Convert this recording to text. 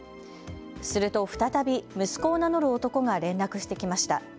すると再び、息子を名乗る男が連絡してきました。